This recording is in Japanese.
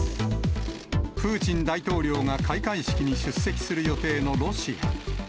プーチン大統領が開会式に出席する予定のロシア。